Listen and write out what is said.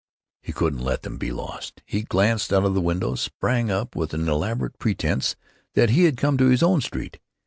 He couldn't let them be lost. He glanced out of the window, sprang up with an elaborate pretense that he had come to his own street.